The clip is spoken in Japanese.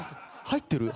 入ってる？